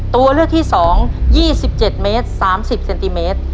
ตัวเลือกที่๒๒๗เมตร๓๐เซนติเมตร